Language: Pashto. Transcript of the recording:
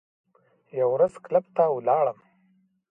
یوه ورځ کلب ته ولاړم.